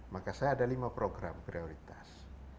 maka saya ada lima program prioritas